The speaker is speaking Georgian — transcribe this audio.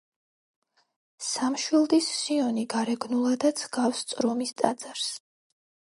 სამშვილდის სიონი გარეგნულადაც ჰგავს წრომის ტაძარს.